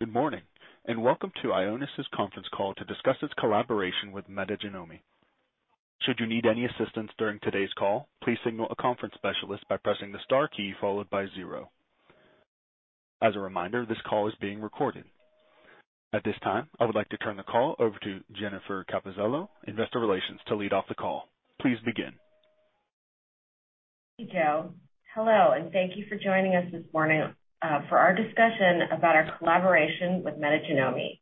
Good morning, and welcome to Ionis' conference call to discuss its collaboration with Metagenomi. Should you need any assistance during today's call, please signal a conference specialist by pressing the star key followed by zero. As a reminder, this call is being recorded. At this time, I would like to turn the call over to Jennifer Capuzelo, Investor Relations, to lead off the call. Please begin. Thank you, Joe. Hello, and thank you for joining us this morning for our discussion about our collaboration with Metagenomi.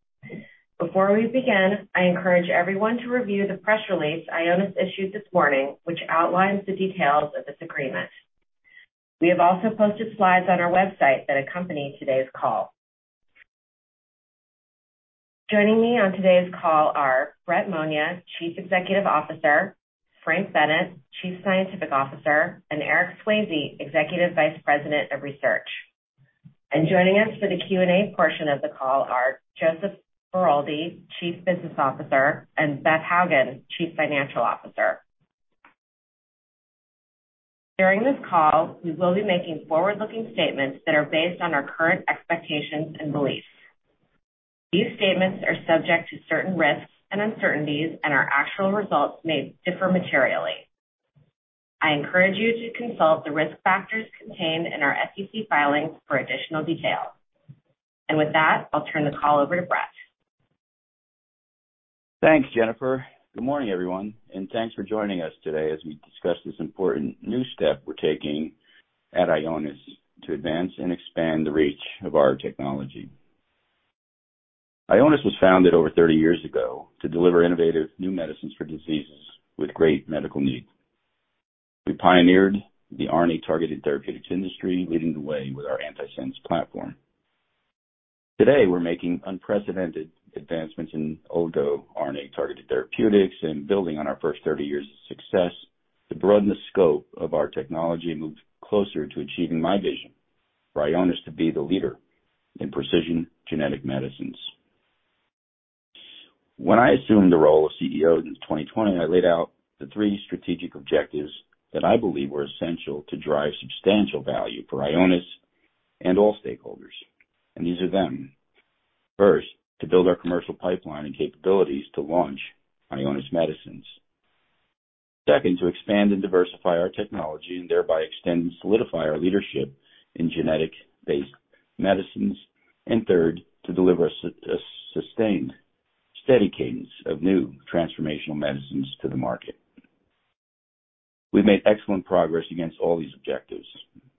Before we begin, I encourage everyone to review the press release Ionis issued this morning, which outlines the details of this agreement. We have also posted slides on our website that accompany today's call. Joining me on today's call are Brett Monia, Chief Executive Officer, Frank Bennett, Chief Scientific Officer, and Eric Swayze, Executive Vice President of Research. Joining us for the Q&A portion of the call are Joseph Baroldi, Chief Business Officer, and Beth Hougen, Chief Financial Officer. During this call, we will be making forward-looking statements that are based on our current expectations and beliefs. These statements are subject to certain risks and uncertainties, and our actual results may differ materially. I encourage you to consult the risk factors contained in our SEC filings for additional details. With that, I'll turn the call over to Brett. Thanks, Jennifer. Good morning, everyone, and thanks for joining us today as we discuss this important new step we're taking at Ionis to advance and expand the reach of our technology. Ionis was founded over 30 years ago to deliver innovative new medicines for diseases with great medical needs. We pioneered the RNA-targeted therapeutics industry, leading the way with our antisense platform. Today, we're making unprecedented advancements in oligo RNA-targeted therapeutics and building on our first 30 years of success to broaden the scope of our technology and move closer to achieving my vision for Ionis to be the leader in precision genetic medicines. When I assumed the role of CEO in 2020, I laid out the three strategic objectives that I believe were essential to drive substantial value for Ionis and all stakeholders, and these are them. First, to build our commercial pipeline and capabilities to launch Ionis medicines. Second, to expand and diversify our technology and thereby extend and solidify our leadership in genetic-based medicines. Third, to deliver a sustained, steady cadence of new transformational medicines to the market. We've made excellent progress against all these objectives.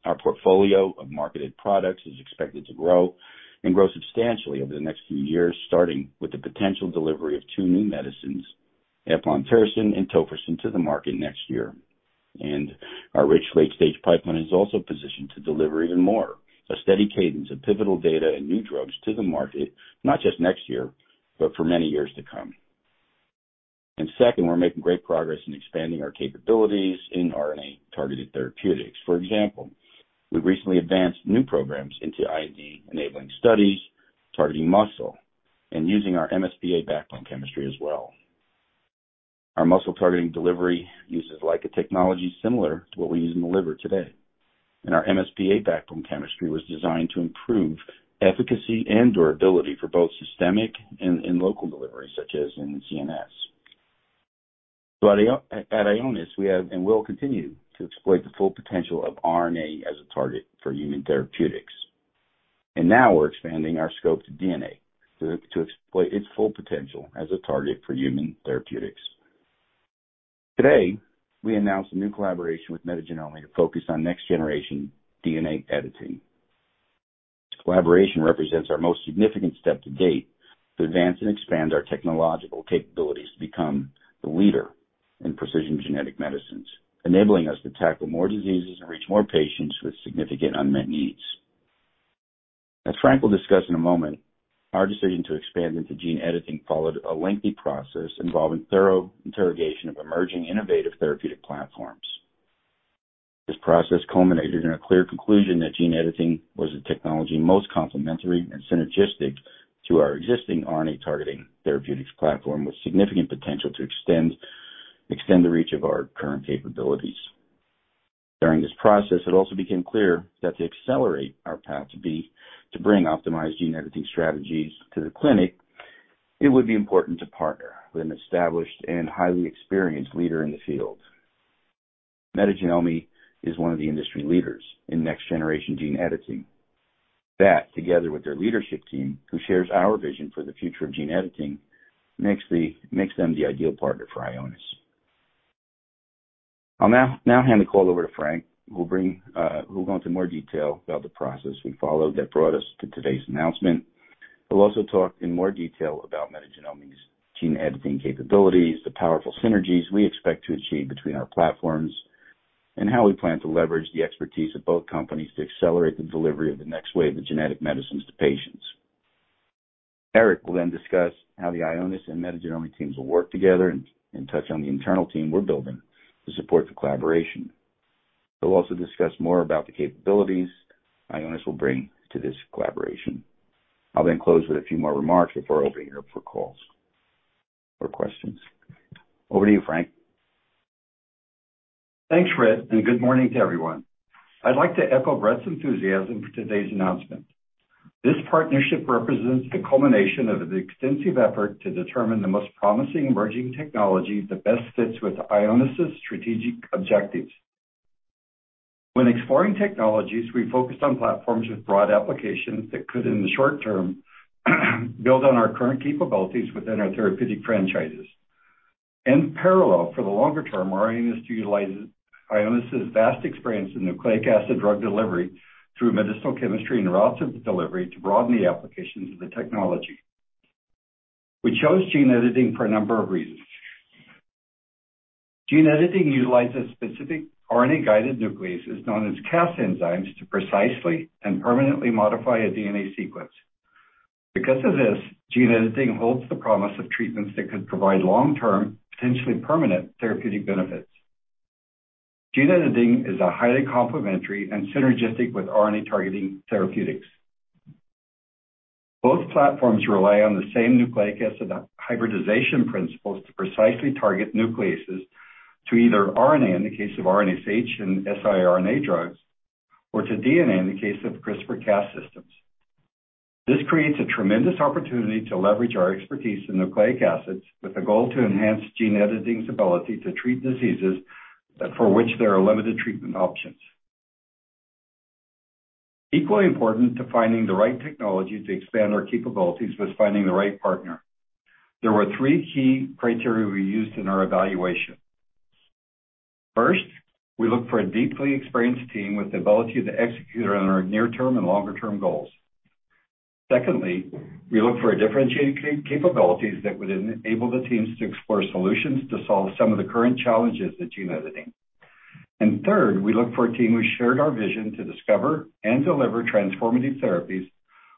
Our portfolio of marketed products is expected to grow and grow substantially over the next few years, starting with the potential delivery of two new medicines, eplontersen and tofersen, to the market next year. Our rich late-stage pipeline is also positioned to deliver even more, a steady cadence of pivotal data and new drugs to the market, not just next year, but for many years to come. Second, we're making great progress in expanding our capabilities in RNA-targeted therapeutics. For example, we recently advanced new programs into IND-enabling studies targeting muscle and using our MsPA backbone chemistry as well. Our muscle-targeting delivery uses LICA technology similar to what we use in the liver today. Our MsPA backbone chemistry was designed to improve efficacy and durability for both systemic and local delivery, such as in the CNS. At Ionis, we have and will continue to exploit the full potential of RNA as a target for human therapeutics. Now we're expanding our scope to DNA to exploit its full potential as a target for human therapeutics. Today, we announced a new collaboration with Metagenomi to focus on next-generation DNA editing. This collaboration represents our most significant step to date to advance and expand our technological capabilities to become the leader in precision genetic medicines, enabling us to tackle more diseases and reach more patients with significant unmet needs. As Frank will discuss in a moment, our decision to expand into gene editing followed a lengthy process involving thorough interrogation of emerging innovative therapeutic platforms. This process culminated in a clear conclusion that gene editing was the technology most complementary and synergistic to our existing RNA-targeting therapeutics platform, with significant potential to extend the reach of our current capabilities. During this process, it also became clear that to accelerate our path to bring optimized gene editing strategies to the clinic, it would be important to partner with an established and highly experienced leader in the field. Metagenomi is one of the industry leaders in next-generation gene editing. That, together with their leadership team, who shares our vision for the future of gene editing, makes them the ideal partner for Ionis. I'll now hand the call over to Frank, who will go into more detail about the process we followed that brought us to today's announcement, who will also talk in more detail about Metagenomi's gene editing capabilities, the powerful synergies we expect to achieve between our platforms, and how we plan to leverage the expertise of both companies to accelerate the delivery of the next wave of genetic medicines to patients. Eric will then discuss how the Ionis and Metagenomi teams will work together and touch on the internal team we're building to support the collaboration. He'll also discuss more about the capabilities Ionis will bring to this collaboration. I'll then close with a few more remarks before opening it up for calls or questions. Over to you, Frank. Thanks, Brett, and good morning to everyone. I'd like to echo Brett's enthusiasm for today's announcement. This partnership represents the culmination of an extensive effort to determine the most promising emerging technology that best fits with Ionis' strategic objectives. When exploring technologies, we focused on platforms with broad applications that could, in the short term, build on our current capabilities within our therapeutic franchises. In parallel, for the longer term, our aim is to utilize Ionis' vast experience in nucleic acid drug delivery through medicinal chemistry and routes of delivery to broaden the applications of the technology. We chose gene editing for a number of reasons. Gene editing utilizes specific RNA-guided nucleases known as Cas enzymes to precisely and permanently modify a DNA sequence. Because of this, gene editing holds the promise of treatments that could provide long-term, potentially permanent therapeutic benefits. Gene editing is a highly complementary and synergistic with RNA-targeting therapeutics. Both platforms rely on the same nucleic acid hybridization principles to precisely target nucleases to either RNA, in the case of RNase H and siRNA drugs, or to DNA in the case of CRISPR-Cas systems. This creates a tremendous opportunity to leverage our expertise in nucleic acids with the goal to enhance gene editing's ability to treat diseases for which there are limited treatment options. Equally important to finding the right technology to expand our capabilities was finding the right partner. There were three key criteria we used in our evaluation. First, we looked for a deeply experienced team with the ability to execute on our near-term and longer-term goals. Secondly, we looked for differentiated capabilities that would enable the teams to explore solutions to solve some of the current challenges in gene editing. Third, we looked for a team who shared our vision to discover and deliver transformative therapies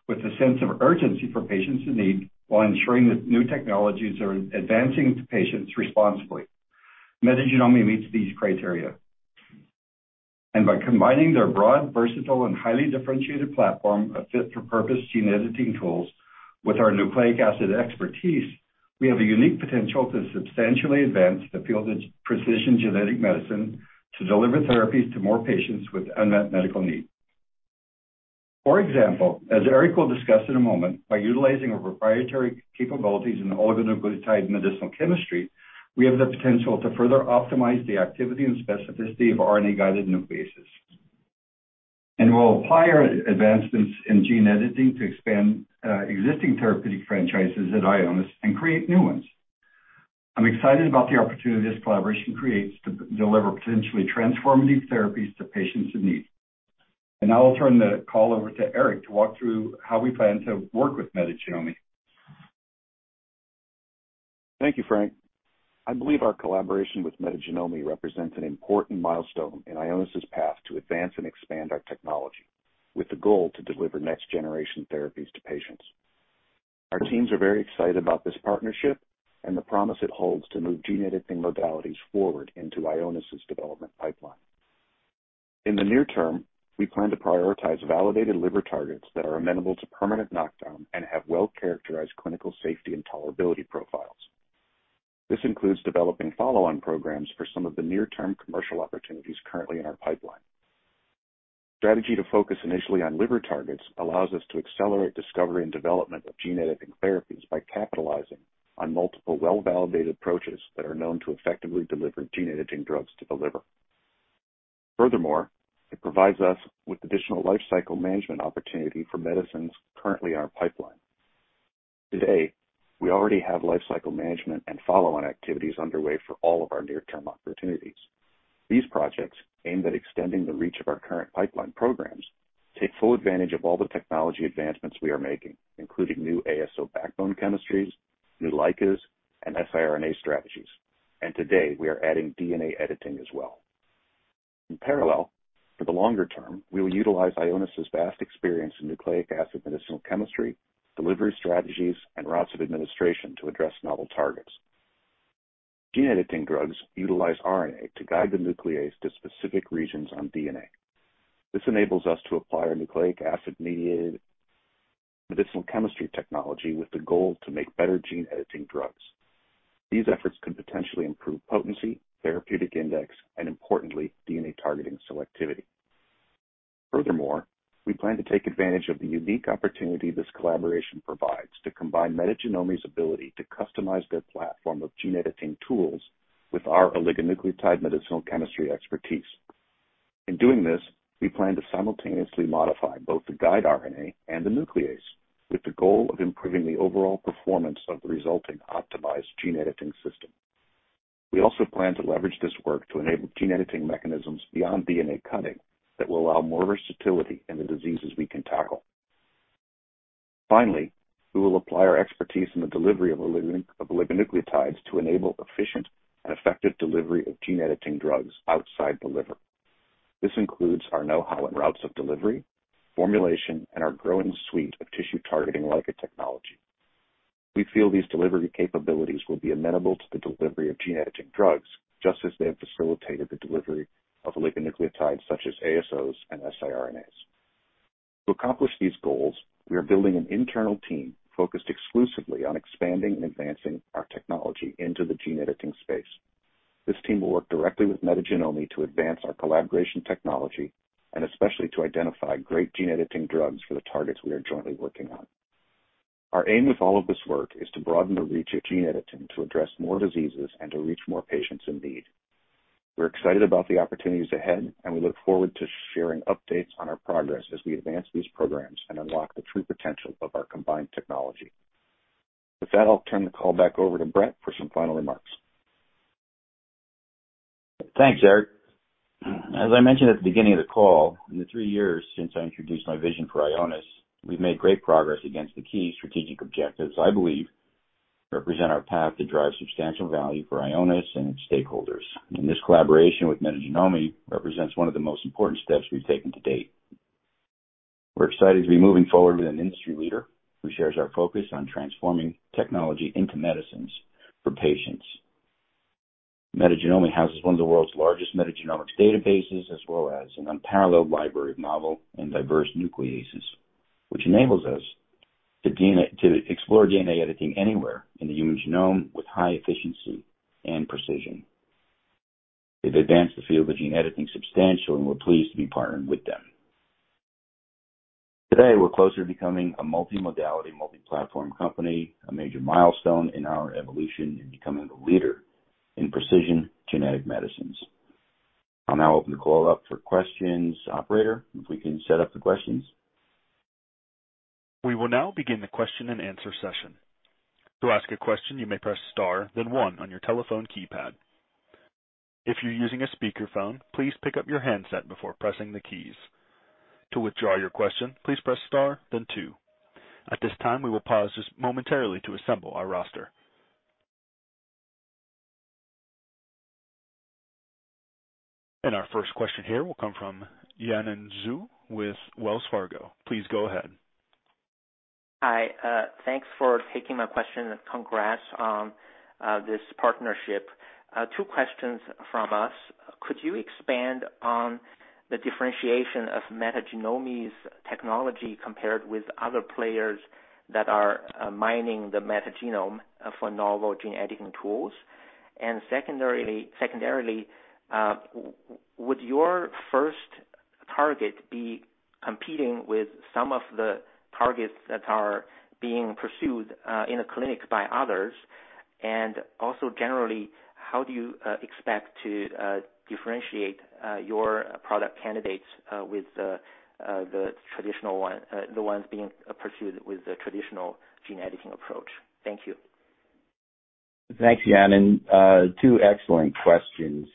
with a sense of urgency for patients in need, while ensuring that new technologies are advancing to patients responsibly. Metagenomi meets these criteria. By combining their broad, versatile, and highly differentiated platform of fit-for-purpose gene editing tools with our nucleic acid expertise, we have a unique potential to substantially advance the field of precision genetic medicine to deliver therapies to more patients with unmet medical needs. For example, as Eric will discuss in a moment, by utilizing our proprietary capabilities in oligonucleotide medicinal chemistry, we have the potential to further optimize the activity and specificity of RNA-guided nucleases. We'll apply our advancements in gene editing to expand existing therapeutic franchises at Ionis and create new ones. I'm excited about the opportunity this collaboration creates to deliver potentially transformative therapies to patients in need. Now I'll turn the call over to Eric to walk through how we plan to work with Metagenomi. Thank you, Frank. I believe our collaboration with Metagenomi represents an important milestone in Ionis' path to advance and expand our technology, with the goal to deliver next-generation therapies to patients. Our teams are very excited about this partnership and the promise it holds to move gene editing modalities forward into Ionis' development pipeline. In the near term, we plan to prioritize validated liver targets that are amenable to permanent knockdown and have well-characterized clinical safety and tolerability profiles. This includes developing follow-on programs for some of the near-term commercial opportunities currently in our pipeline. Strategy to focus initially on liver targets allows us to accelerate discovery and development of gene editing therapies by capitalizing on multiple well-validated approaches that are known to effectively deliver gene editing drugs to the liver. Furthermore, it provides us with additional life cycle management opportunity for medicines currently in our pipeline. Today, we already have life cycle management and follow-on activities underway for all of our near-term opportunities. These projects, aimed at extending the reach of our current pipeline programs, take full advantage of all the technology advancements we are making, including new ASO backbone chemistries, new LICA, and siRNA strategies. Today, we are adding DNA editing as well. In parallel, for the longer term, we will utilize Ionis' vast experience in nucleic acid medicinal chemistry, delivery strategies, and routes of administration to address novel targets. Gene editing drugs utilize RNA to guide the nuclease to specific regions on DNA. This enables us to apply our nucleic acid-mediated medicinal chemistry technology with the goal to make better gene editing drugs. These efforts could potentially improve potency, therapeutic index, and importantly, DNA targeting selectivity. Furthermore, we plan to take advantage of the unique opportunity this collaboration provides to combine Metagenomi's ability to customize their platform of gene editing tools with our oligonucleotide medicinal chemistry expertise. In doing this, we plan to simultaneously modify both the guide RNA and the nuclease with the goal of improving the overall performance of the resulting optimized gene editing system. We also plan to leverage this work to enable gene editing mechanisms beyond DNA cutting that will allow more versatility in the diseases we can tackle. Finally, we will apply our expertise in the delivery of oligonucleotides to enable efficient and effective delivery of gene editing drugs outside the liver. This includes our know-how and routes of delivery, formulation, and our growing suite of tissue-targeting LICA technology. We feel these delivery capabilities will be amenable to the delivery of gene editing drugs, just as they have facilitated the delivery of oligonucleotides such as ASOs and siRNAs. To accomplish these goals, we are building an internal team focused exclusively on expanding and advancing our technology into the gene editing space. This team will work directly with Metagenomi to advance our collaboration technology and especially to identify great gene editing drugs for the targets we are jointly working on. Our aim with all of this work is to broaden the reach of gene editing to address more diseases and to reach more patients in need. We're excited about the opportunities ahead, and we look forward to sharing updates on our progress as we advance these programs and unlock the true potential of our combined technology. With that, I'll turn the call back over to Brett for some final remarks. Thanks, Eric. As I mentioned at the beginning of the call, in the three years since I introduced my vision for Ionis, we've made great progress against the key strategic objectives I believe represent our path to drive substantial value for Ionis and its stakeholders. This collaboration with Metagenomi represents one of the most important steps we've taken to date. We're excited to be moving forward with an industry leader who shares our focus on transforming technology into medicines for patients. Metagenomi houses one of the world's largest metagenomics databases, as well as an unparalleled library of novel and diverse nucleases, which enables us to explore DNA editing anywhere in the human genome with high efficiency and precision. They've advanced the field of gene editing substantially, and we're pleased to be partnering with them. Today, we're closer to becoming a multimodality, multi-platform company, a major milestone in our evolution in becoming the leader in precision genetic medicines. I'll now open the call up for questions. Operator, if we can set up the questions. We will now begin the question-and-answer session. To ask a question, you may press star, then one on your telephone keypad. If you're using a speakerphone, please pick up your handset before pressing the keys. To withdraw your question, please press star, then two. At this time, we will pause just momentarily to assemble our roster. Our first question here will come from Yanan Zhu with Wells Fargo. Please go ahead. Hi, thanks for taking my question, and congrats on this partnership. Two questions from us. Could you expand on the differentiation of Metagenomi's technology compared with other players that are mining the metagenome for novel gene-editing tools? Secondarily, would your first target be competing with some of the targets that are being pursued in the clinic by others? Also, generally, how do you expect to differentiate your product candidates with the traditional one, the ones being pursued with the traditional gene editing approach? Thank you. Thanks, Yanan. Two excellent questions.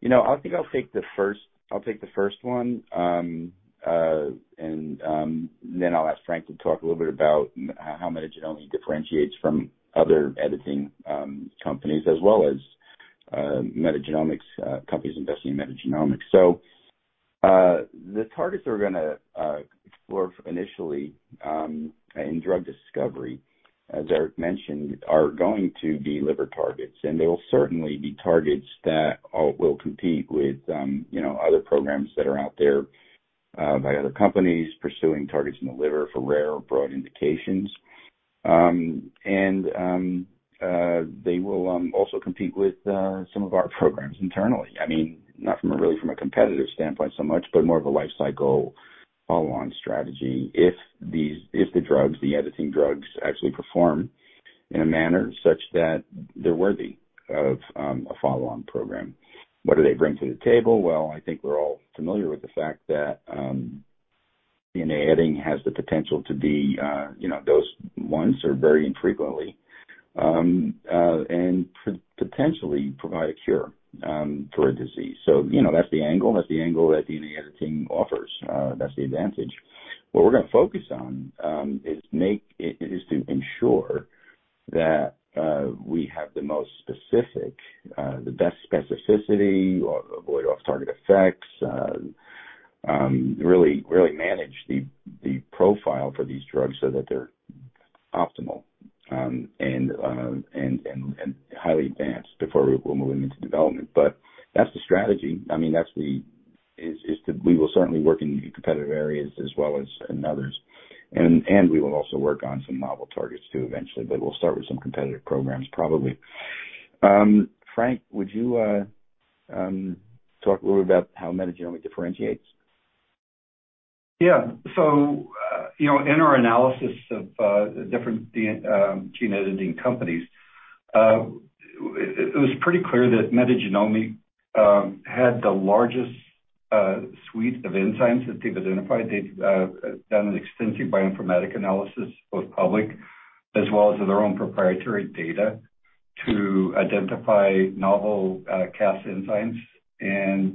You know, I think I'll take the first one. Then I'll ask Frank to talk a little bit about how Metagenomi differentiates from other editing companies as well as Metagenomics companies investing in Metagenomics. The targets that we're gonna explore initially in drug discovery, as Eric mentioned, are going to be liver targets, and they'll certainly be targets that will compete with you know, other programs that are out there by other companies pursuing targets in the liver for rare or broad indications. They will also compete with some of our programs internally. I mean, not really from a competitive standpoint so much, but more of a life cycle follow-on strategy if these editing drugs actually perform in a manner such that they're worthy of a follow-on program. What do they bring to the table? Well, I think we're all familiar with the fact that DNA editing has the potential to be, you know, dosed once or very infrequently and potentially provide a cure for a disease. You know, that's the angle. That's the angle that DNA editing offers. That's the advantage. What we're gonna focus on is to ensure that we have the most specific, the best specificity, avoid off-target effects, really manage the profile for these drugs so that they're optimal, and highly advanced before we'll move them into development. That's the strategy. I mean, we will certainly work in competitive areas as well as in others. We will also work on some novel targets too, eventually, but we'll start with some competitive programs, probably. Frank, would you talk a little bit about how Metagenomi differentiates? Yeah. You know, in our analysis of different gene editing companies, it was pretty clear that Metagenomi had the largest suite of enzymes that they've identified. They've done an extensive bioinformatic analysis, both public as well as their own proprietary data, to identify novel Cas enzymes. They've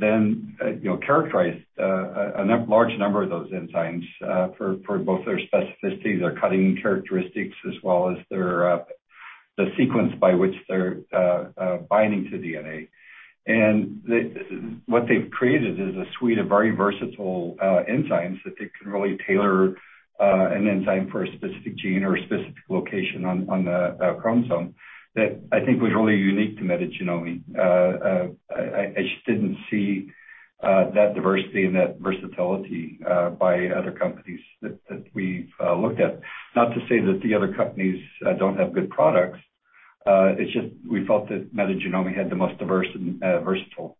then, you know, characterized a large number of those enzymes for both their specificities, their cutting characteristics, as well as the sequence by which they're binding to DNA. What they've created is a suite of very versatile enzymes that they can really tailor an enzyme for a specific gene or a specific location on the chromosome that I think was really unique to Metagenomi. I just didn't see that diversity and that versatility by other companies that we've looked at. Not to say that the other companies don't have good products, it's just we felt that Metagenomi had the most diverse and versatile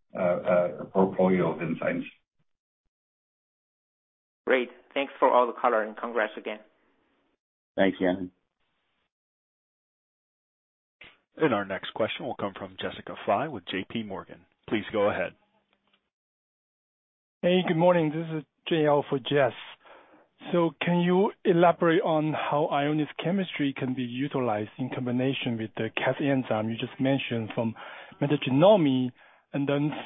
portfolio of enzymes. Great. Thanks for all the color and congrats again. Thanks, Yanan. Our next question will come from Jessica Fye with JPMorgan. Please go ahead. Hey, good morning. This is JL for Jess. Can you elaborate on how Ionis chemistry can be utilized in combination with the Cas enzyme you just mentioned from Metagenomi?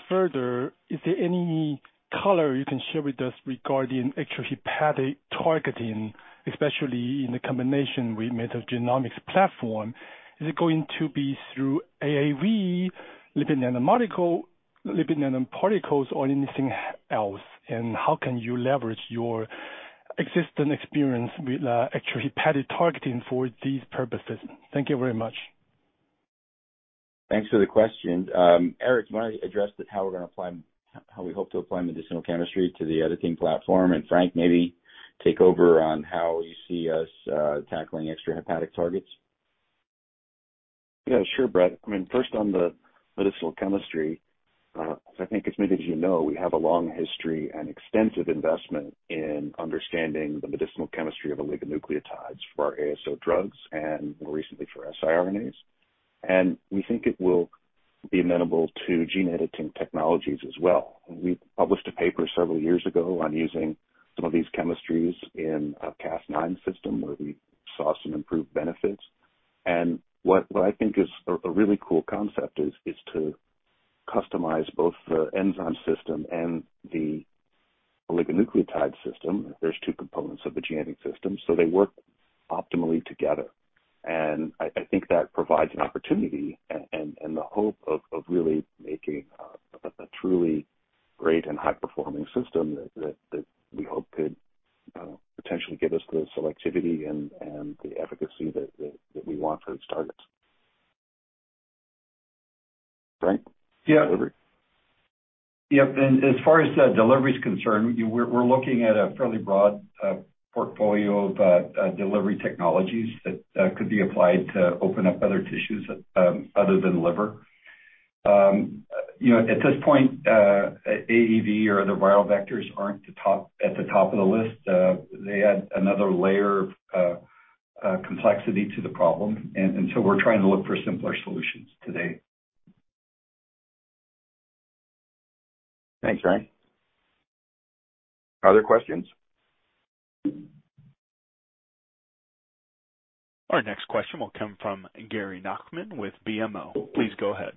Further, is there any color you can share with us regarding extrahepatic targeting, especially in the combination with Metagenomi's platform? Is it going to be through AAV, lipid nanoparticles or anything else? How can you leverage your existing experience with extrahepatic targeting for these purposes? Thank you very much. Thanks for the question. Eric, you wanna address how we hope to apply medicinal chemistry to the editing platform, and Frank, maybe take over on how you see us tackling extrahepatic targets. Yeah, sure, Brett. I mean, first on the medicinal chemistry, so I think as many of you know, we have a long history and extensive investment in understanding the medicinal chemistry of oligonucleotides for our ASO drugs and more recently for siRNAs. We think it will be amenable to gene editing technologies as well. We published a paper several years ago on using some of these chemistries in a Cas9 system where we saw some improved benefits. What I think is a really cool concept is to customize both the enzyme system and the oligonucleotide system. There's two components of the gene editing system, so they work optimally together. I think that provides an opportunity and the hope of really making a truly great and high-performing system that we hope could potentially give us the selectivity and the efficacy that we want for these targets. Frank. Delivery? Yeah. Yep, as far as the Delivery is concerned, we're looking at a fairly broad portfolio of delivery technologies that could be applied to open up other tissues, other than liver. You know, at this point, AAV or other viral vectors aren't at the top of the list. They add another layer of complexity to the problem. We're trying to look for simpler solutions today. Thanks, Frank. Other questions? Our next question will come from Gary Nachman with BMO. Please go ahead.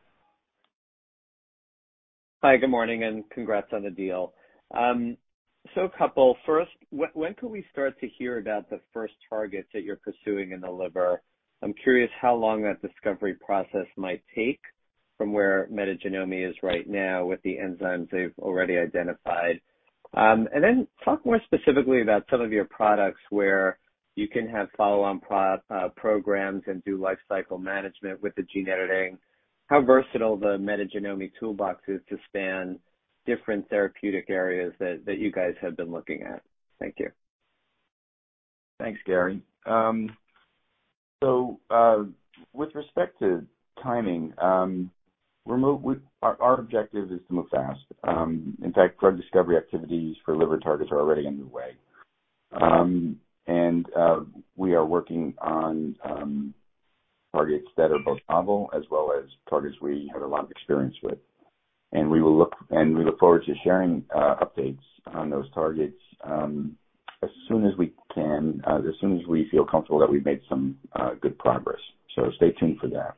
Hi, good morning, and congrats on the deal. A couple. First, when can we start to hear about the first targets that you're pursuing in the liver? I'm curious how long that discovery process might take from where Metagenomi is right now with the enzymes they've already identified. Talk more specifically about some of your products where you can have follow-on programs and do life cycle management with the gene editing. How versatile the Metagenomi toolbox is to span different therapeutic areas that you guys have been looking at. Thank you. Thanks, Gary. With respect to timing, Our objective is to move fast. In fact, drug discovery activities for liver targets are already underway. We are working on targets that are both novel as well as targets we have a lot of experience with. We look forward to sharing updates on those targets as soon as we can, as soon as we feel comfortable that we've made some good progress. Stay tuned for that.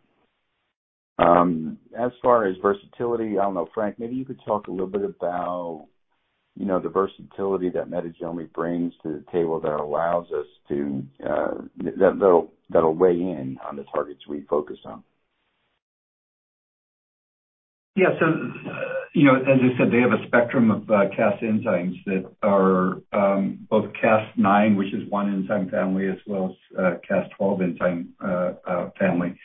As far as versatility, I don't know, Frank, maybe you could talk a little bit about, you know, the versatility that Metagenomi brings to the table that allows us to that'll weigh in on the targets we focus on. Yeah. You know, as I said, they have a spectrum of Cas enzymes that are both Cas9, which is one enzyme family, as well as Cas12 enzyme family.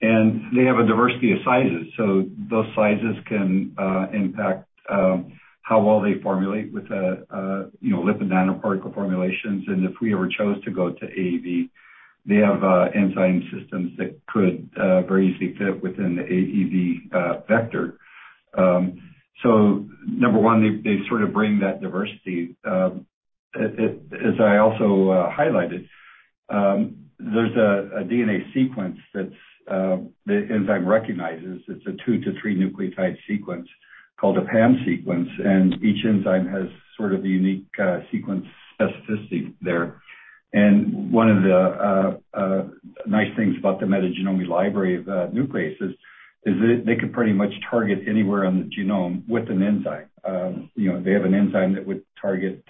They have a diversity of sizes, so those sizes can impact how well they formulate with you know, lipid nanoparticle formulations. If we ever chose to go to AAV, they have enzyme systems that could very easily fit within the AAV vector. Number one, they sort of bring that diversity. As I also highlighted, there's a DNA sequence that's the enzyme recognizes. It's a 2-3 nucleotide sequence called a PAM sequence, and each enzyme has sort of a unique sequence specificity there. One of the nice things about the Metagenomi library of nucleases is that they can pretty much target anywhere on the genome with an enzyme. You know, they have an enzyme that would target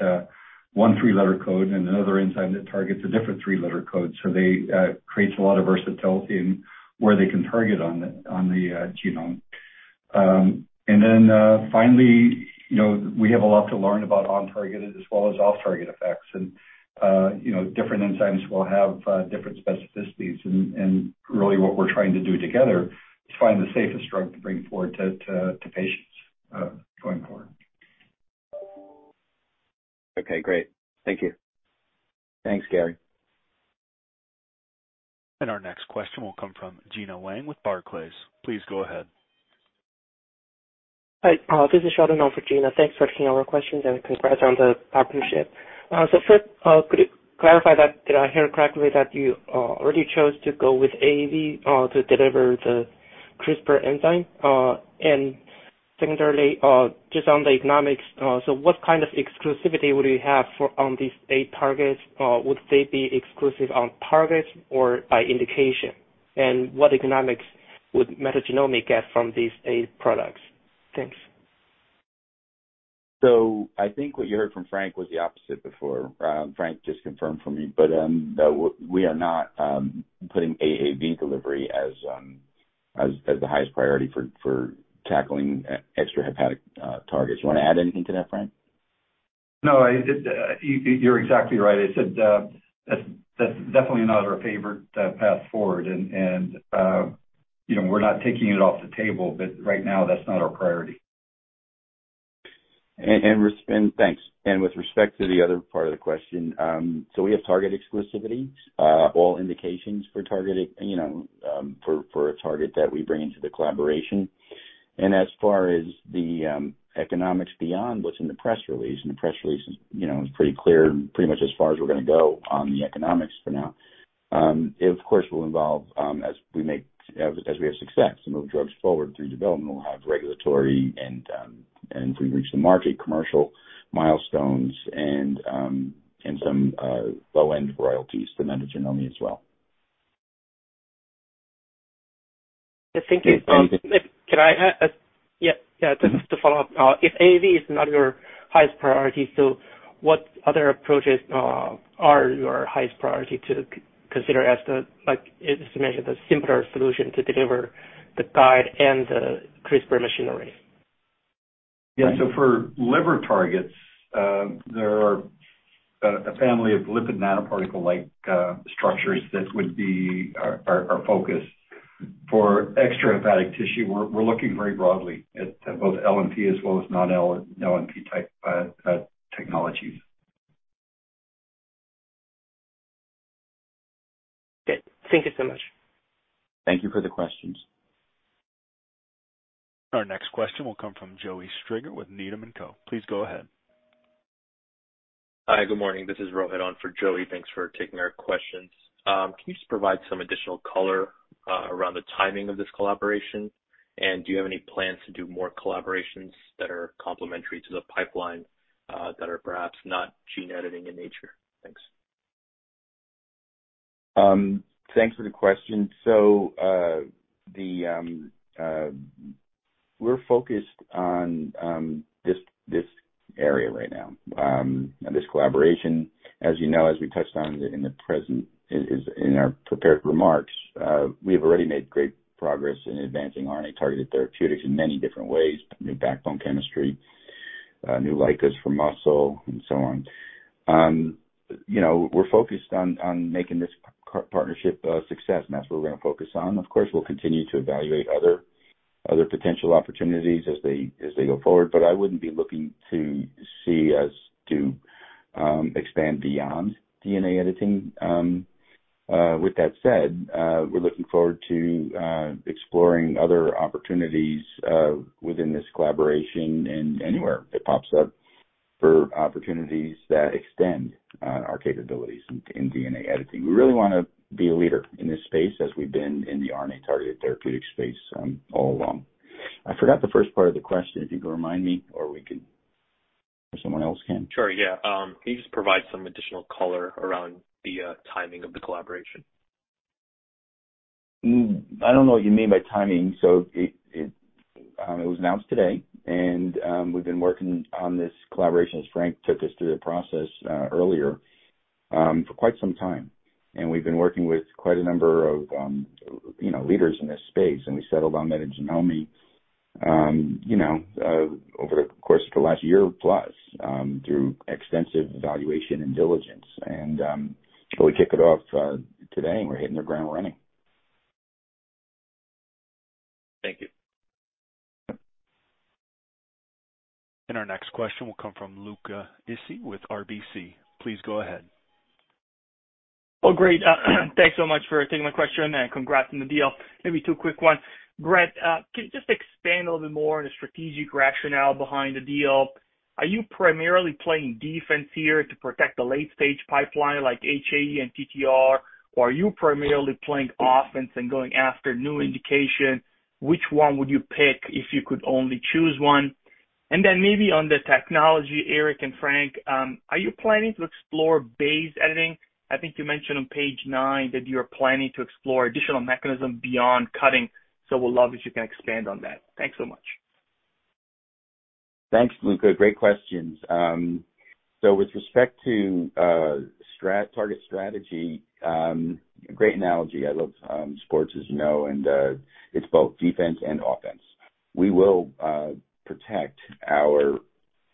one three-letter code and another enzyme that targets a different three-letter code. They creates a lot of versatility in where they can target on the genome. Finally, you know, we have a lot to learn about on-target as well as off-target effects. You know, different enzymes will have different specificities. Really what we're trying to do together is find the safest drug to bring forward to patients going forward. Okay, great. Thank you. Thanks, Gary. Our next question will come from Gena Wang with Barclays. Please go ahead. Hi, this is Shawn, and for Gena. Thanks for taking our questions and congrats on the partnership. First, could you clarify that, did I hear correctly that you already chose to go with AAV to deliver the CRISPR enzyme? Secondly, just on the economics, what kind of exclusivity would you have for on these AAV targets? Would they be exclusive on targets or by indication? And what economics would Metagenomi get from these AAV products? Thanks. I think what you heard from Frank was the opposite before. Frank, just confirm for me, but no, we are not putting AAV delivery as the highest priority for tackling extrahepatic targets. You wanna add anything to that, Frank? No, I just, you're exactly right. I said, that's definitely not our favorite path forward and, you know, we're not taking it off the table, but right now that's not our priority. Thanks. With respect to the other part of the question, so we have target exclusivity, all indications for target, you know, for a target that we bring into the collaboration. As far as the economics beyond what's in the press release, the press release is, you know, pretty clear and pretty much as far as we're gonna go on the economics for now. It of course will involve, as we have success and move drugs forward through development, we'll have regulatory and if we reach the market, commercial milestones and some low-end royalties for Metagenomi as well. Thank you. Okay. Yeah. Can I have? Mm-hmm. Just to follow up. If AAV is not your highest priority, so what other approaches are your highest priority to consider as the, like, as you mentioned, the simpler solution to deliver the guide and the CRISPR machinery? Yeah. For liver targets, there are a family of lipid nanoparticle-like structures that would be our focus. For extrahepatic tissue, we're looking very broadly at both LNP as well as non-LNP-type technologies. Okay. Thank you so much. Thank you for the questions. Our next question will come from Joey Stringer with Needham & Company. Please go ahead. Hi. Good morning. This is Rohit on for Joey. Thanks for taking our questions. Can you just provide some additional color around the timing of this collaboration? Do you have any plans to do more collaborations that are complementary to the pipeline, that are perhaps not gene editing in nature? Thanks. Thanks for the question. We're focused on this area right now, this collaboration. As you know, as we touched on in the presentation as is in our prepared remarks, we have already made great progress in advancing RNA-targeted therapeutics in many different ways, new backbone chemistry, new LICA for muscle, and so on. You know, we're focused on making this partnership a success, and that's what we're gonna focus on. Of course, we'll continue to evaluate other potential opportunities as they go forward. I wouldn't be looking to see us to expand beyond DNA editing. With that said, we're looking forward to exploring other opportunities within this collaboration and anywhere that pops up for opportunities that extend our capabilities in DNA editing. We really wanna be a leader in this space as we've been in the RNA-targeted therapeutic space, all along. I forgot the first part of the question. If you could remind me or we could, or someone else can. Sure, yeah. Can you just provide some additional color around the timing of the collaboration? I don't know what you mean by timing, so it was announced today and we've been working on this collaboration, as Frank took us through the process earlier, for quite some time. We've been working with quite a number of you know leaders in this space, and we settled on Metagenomi you know over the course of the last year plus through extensive evaluation and diligence. But we kicked it off today, and we're hitting the ground running. Thank you. Yep. Our next question will come from Luca Issi with RBC. Please go ahead. Well, great. Thanks so much for taking my question, and congrats on the deal. Maybe two quick ones. Brett, can you just expand a little bit more on the strategic rationale behind the deal? Are you primarily playing defense here to protect the late-stage pipeline like HAE and TTR, or are you primarily playing offense and going after new indication? Which one would you pick if you could only choose one? Then maybe on the technology, Eric and Frank, are you planning to explore base editing? I think you mentioned on page nine that you're planning to explore additional mechanism beyond cutting, so would love if you can expand on that. Thanks so much. Thanks, Luca. Great questions. So with respect to strategic target strategy, great analogy. I love sports, as you know, and it's both defense and offense. We will protect our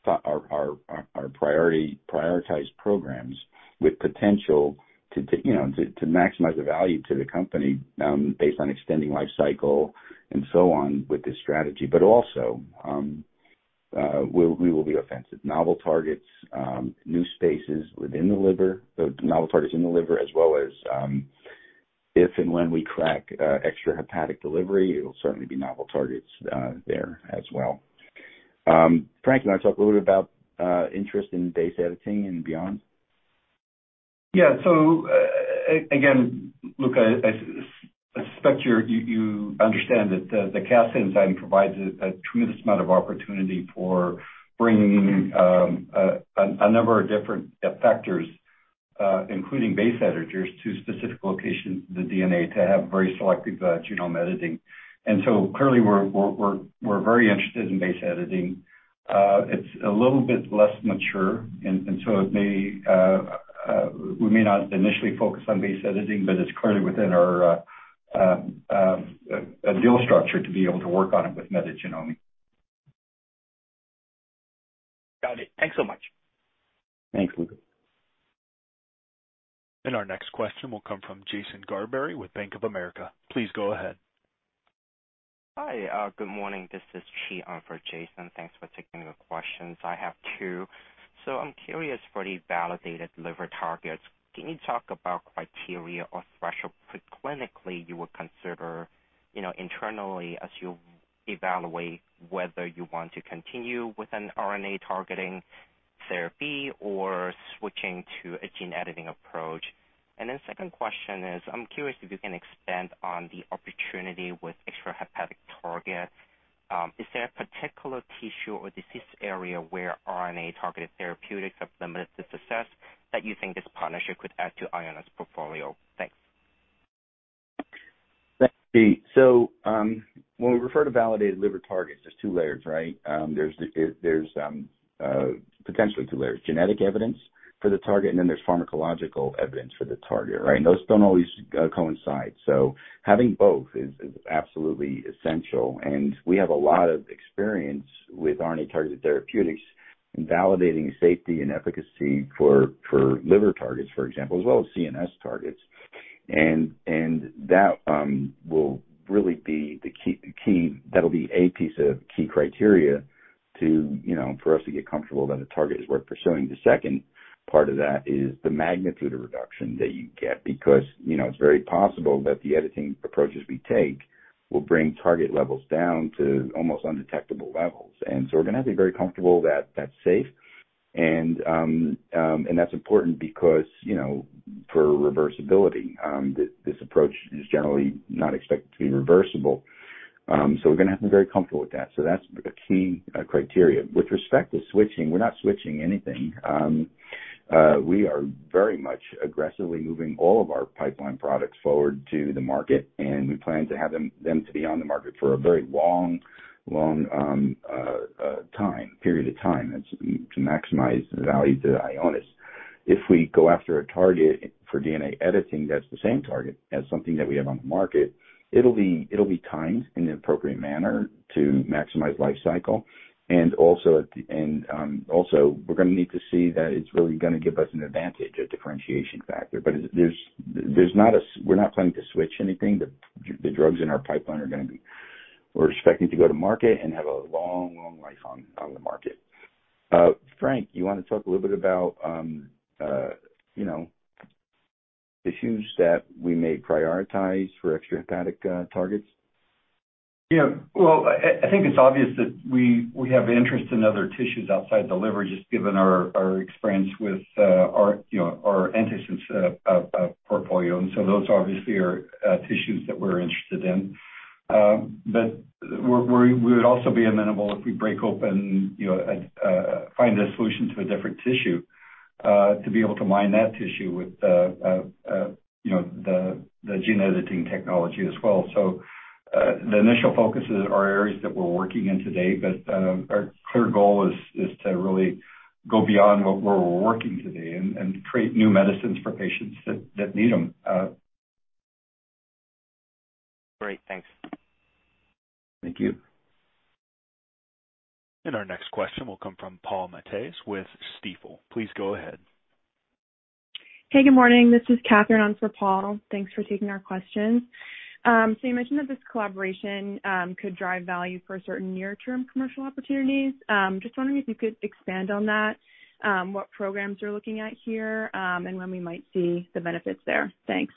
prioritized programs with potential to you know, to maximize the value to the company, based on extending life cycle and so on with this strategy. We will be offensive. Novel targets, new spaces within the liver, novel targets in the liver as well as if and when we crack extrahepatic delivery, it'll certainly be novel targets there as well. Frank, you wanna talk a little bit about interest in base editing and beyond? Again, look, I suspect you understand that the Cas9 insight provides a tremendous amount of opportunity for bringing a number of different effectors, including base editors to specific locations of the DNA to have very selective genome editing. Clearly we're very interested in base editing. It's a little bit less mature and so we may not initially focus on base editing, but it's clearly within our deal structure to be able to work on it with Metagenomi. Got it. Thanks so much. Thanks, Luca. Our next question will come from Jason Gerberry with Bank of America. Please go ahead. Hi. Good morning. This is Chi on for Jason. Thanks for taking the questions. I have two. I'm curious, for the validated liver targets, can you talk about criteria or threshold pre-clinically you would consider, you know, internally as you evaluate whether you want to continue with an RNA-targeting therapy or switching to a gene editing approach? Second question is, I'm curious if you can expand on the opportunity with extrahepatic targets. Is there a particular tissue or disease area where RNA-targeted therapeutics have had limited success that you think this partnership could add to Ionis' portfolio? Thanks. Let's see. When we refer to validated liver targets, there's potentially two layers, right? Genetic evidence for the target, and then there's pharmacological evidence for the target, right? Those don't always coincide, so having both is absolutely essential. We have a lot of experience with RNA-targeted therapeutics in validating safety and efficacy for liver targets, for example, as well as CNS targets. That will really be the key. That'll be a piece of key criteria to, you know, for us to get comfortable that a target is worth pursuing. The second part of that is the magnitude of reduction that you get because, you know, it's very possible that the editing approaches we take will bring target levels down to almost undetectable levels. We're gonna have to be very comfortable that that's safe and that's important because, you know, for reversibility, this approach is generally not expected to be reversible. We're gonna have to be very comfortable with that. That's a key criteria. With respect to switching, we're not switching anything. We are very much aggressively moving all of our pipeline products forward to the market, and we plan to have them to be on the market for a very long period of time that's to maximize the value to Ionis. If we go after a target for DNA editing that's the same target as something that we have on the market, it'll be timed in an appropriate manner to maximize life cycle and also we're gonna need to see that it's really gonna give us an advantage, a differentiation factor. We're not planning to switch anything. The drugs in our pipeline are gonna be. We're expecting to go to market and have a long life on the market. Frank, you wanna talk a little bit about, you know, issues that we may prioritize for extrahepatic targets? Yeah. Well, I think it's obvious that we have interest in other tissues outside the liver, just given our experience with, you know, our antisense portfolio. Those obviously are tissues that we're interested in. But we would also be amenable if we, you know, find a solution to a different tissue to be able to mine that tissue with, you know, the gene editing technology as well. The initial focuses are areas that we're working in today, but our clear goal is to really go beyond where we're working today and create new medicines for patients that need them. Great. Thanks. Thank you. Our next question will come from Paul Matteis with Stifel. Please go ahead. Hey, good morning. This is Katherine on for Paul. Thanks for taking our questions. You mentioned that this collaboration could drive value for certain near-term commercial opportunities. Just wondering if you could expand on that, what programs you're looking at here, and when we might see the benefits there? Thanks.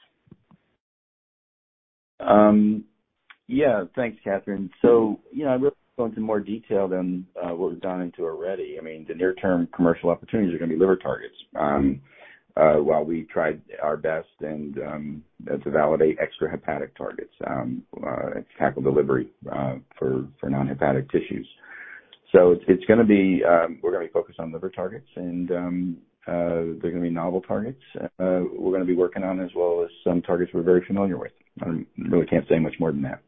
Yeah. Thanks, Katherine. You know, I really go into more detail than what we've gone into already. I mean, the near-term commercial opportunities are gonna be liver targets, while we tried our best and to validate extrahepatic targets, tackle delivery, for non-hepatic tissues. It's gonna be, we're gonna be focused on liver targets and they're gonna be novel targets, we're gonna be working on as well as some targets we're very familiar with. I really can't say much more than that.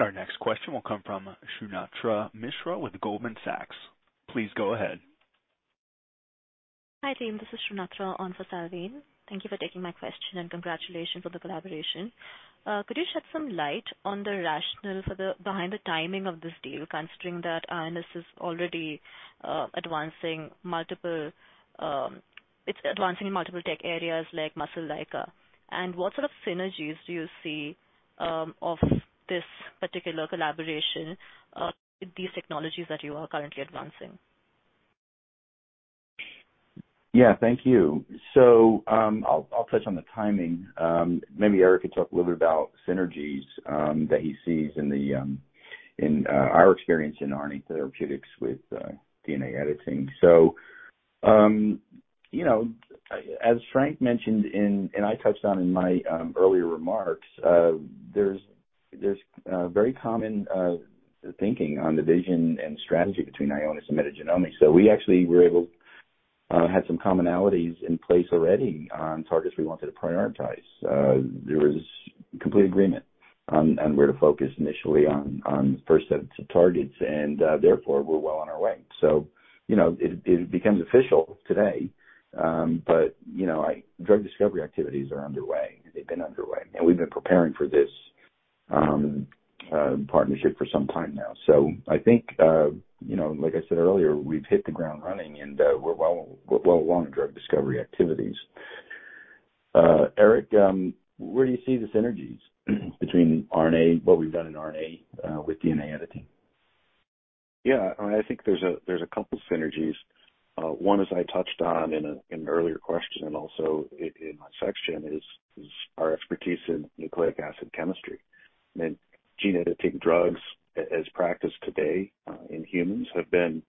Our next question will come from Shrunatra Mishra with Goldman Sachs. Please go ahead. Hi, team. This is Shrunatra on for Salveen Richter. Thank you for taking my question and congratulations on the collaboration. Could you shed some light on the rationale for the, behind the timing of this deal, considering that Ionis is already advancing multiple, it's advancing in multiple tech areas like muscle LICA? What sort of synergies do you see of this particular collaboration with these technologies that you are currently advancing? Yeah, thank you. I'll touch on the timing. Maybe Eric could talk a little bit about synergies that he sees in our experience in RNA therapeutics with DNA editing. As Frank mentioned, and I touched on in my earlier remarks, there's very common thinking on the vision and strategy between Ionis and Metagenomi. We actually had some commonalities in place already on targets we wanted to prioritize. There was complete agreement on where to focus initially on the first set of targets and therefore we're well on our way. You know, it becomes official today. You know, drug discovery activities are underway. They've been underway, and we've been preparing for this partnership for some time now. I think, you know, like I said earlier, we've hit the ground running, and we're well along in drug discovery activities. Eric, where do you see the synergies between RNA, what we've done in RNA, with DNA editing? Yeah, I think there's a couple synergies. One, as I touched on in an earlier question and also in my section is our expertise in nucleic acid chemistry. I mean, gene editing drugs as practiced today in humans have been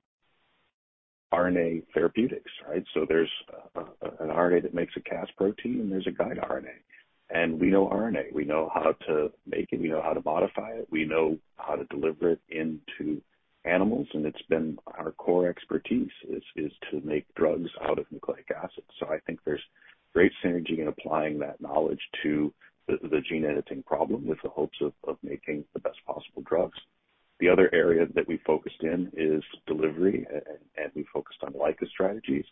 RNA therapeutics, right? So there's an RNA that makes a Cas protein and there's a guide RNA. And we know RNA. We know how to make it, we know how to modify it, we know how to deliver it into animals, and it's been our core expertise is to make drugs out of nucleic acids. So I think there's great synergy in applying that knowledge to the gene editing problem with the hopes of making the best possible drugs. The other area that we focused in is delivery, and we focused on LICA strategies.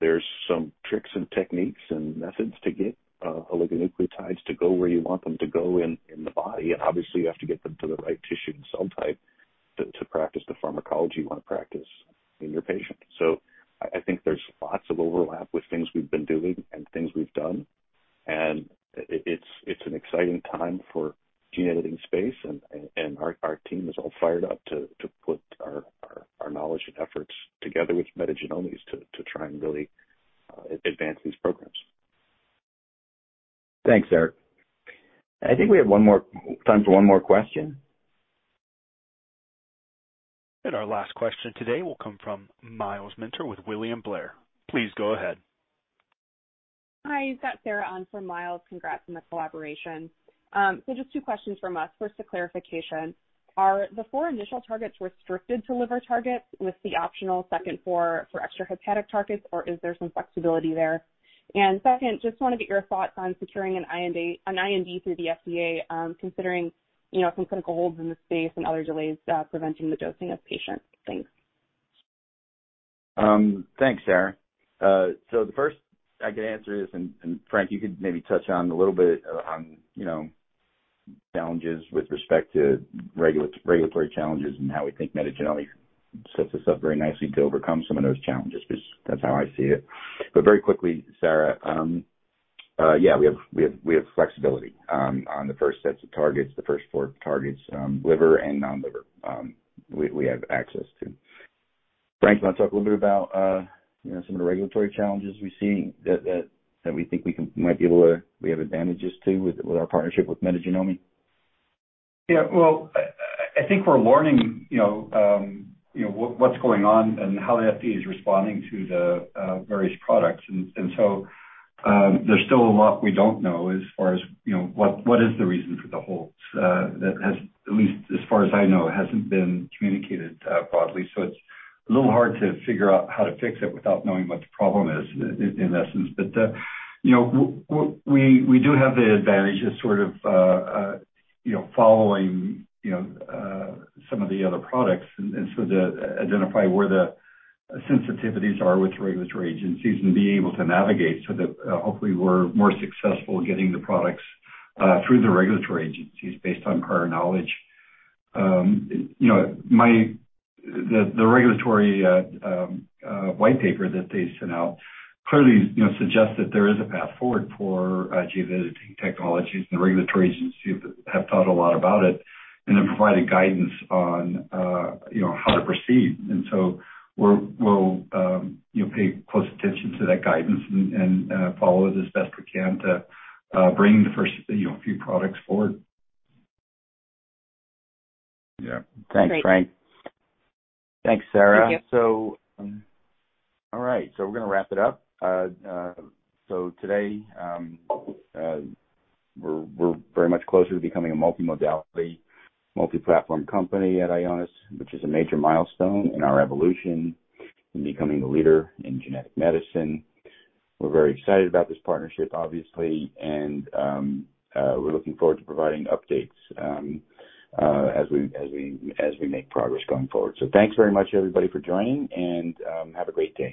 There's some tricks and techniques and methods to get oligonucleotides to go where you want them to go in the body. Obviously you have to get them to the right tissue and cell type to practice the pharmacology you wanna practice in your patient. So I think there's lots of overlap with things we've been doing and things we've done, and it's an exciting time for gene editing space and our team is all fired up to put our knowledge and efforts together with Metagenomi to try and really advance these programs. Thanks, Eric. I think we have time for one more question. Our last question today will come from Myles Minter with William Blair. Please go ahead. Hi. You've got Sarah on for Myles Minter. Congrats on the collaboration. So just two questions from us. First, a clarification. Are the four initial targets restricted to liver targets with the optional second four for extrahepatic targets, or is there some flexibility there? Second, just wanna get your thoughts on securing an IND through the FDA, considering, you know, some clinical holds in this space and other delays preventing the dosing of patients. Thanks. Thanks, Sarah. The first I could answer is, and Frank, you could maybe touch on a little bit on, you know, challenges with respect to regulatory challenges and how we think Metagenomi sets us up very nicely to overcome some of those challenges, because that's how I see it. Very quickly, Sarah, yeah, we have flexibility on the first sets of targets, the first four targets, liver and non-liver, we have access to. Frank, wanna talk a little bit about, you know, some of the regulatory challenges we see that we think we might be able to. We have advantages too with our partnership with Metagenomi? Yeah. Well, I think we're learning, you know, what's going on and how the FDA is responding to the various products. There's still a lot we don't know as far as, you know, what is the reason for the holds that, at least as far as I know, hasn't been communicated broadly. It's a little hard to figure out how to fix it without knowing what the problem is in essence. We do have the advantage of sort of you know following some of the other products and so we identify where the sensitivities are with regulatory agencies and being able to navigate so that hopefully we're more successful getting the products through the regulatory agencies based on prior knowledge. You know, the regulatory white paper that they sent out clearly, you know, suggests that there is a path forward for gene editing technologies, and the regulatory agencies have thought a lot about it and have provided guidance on, you know, how to proceed. We'll pay close attention to that guidance and follow it as best we can to bring the first, you know, few products forward. Yeah. Great. Thanks, Frank. Thanks, Sarah. Thank you. All right, we're gonna wrap it up. Today, we're very much closer to becoming a multimodality, multi-platform company at Ionis, which is a major milestone in our evolution in becoming the leader in genetic medicine. We're very excited about this partnership, obviously, and we're looking forward to providing updates as we make progress going forward. Thanks very much everybody for joining and have a great day.